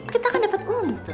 kita akan dapat untung